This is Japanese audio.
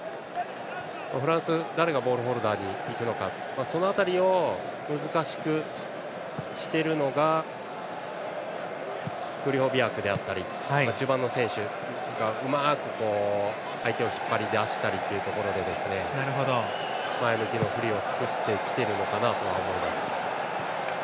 フランス、誰がボールホルダーに行くのかその辺りを難しくしているのがクリホビアクだったり中盤の選手がうまく相手を引っ張り出したりというところで前向きのフリーを作ってきてるのかなと思います。